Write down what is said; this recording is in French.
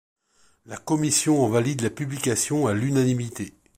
La commission en valide la publication à l'unanimité.